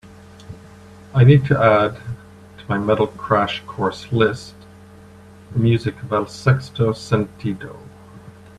I need to add to my metal crash course list the music of El sexto sentido